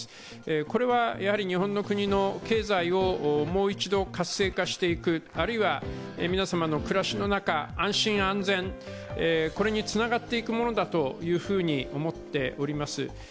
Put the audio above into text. これは日本の国の経済をもう一度活性化していく、あるいは皆様の暮らしの中、安心・安全につながっていくものだと思っております。